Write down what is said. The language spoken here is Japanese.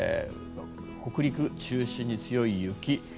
北陸中心に強い雪。